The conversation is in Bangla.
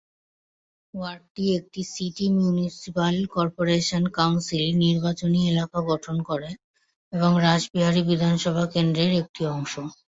ওয়ার্ডটি একটি সিটি মিউনিসিপ্যাল কর্পোরেশন কাউন্সিল নির্বাচনী এলাকা গঠন করে এবং রাসবিহারী বিধানসভা কেন্দ্রর একটি অংশ।